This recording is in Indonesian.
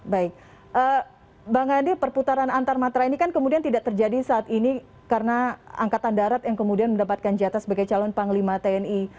baik bang adi perputaran antarmatra ini kan kemudian tidak terjadi saat ini karena angkatan darat yang kemudian mendapatkan jatah sebagai calon panglima tni